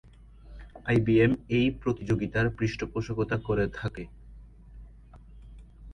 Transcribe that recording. IBM এই প্রতিযোগিতার পৃষ্ঠপোষকতা করে থাকে।